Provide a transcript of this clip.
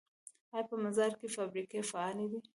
آیا په مزار کې فابریکې فعالې دي؟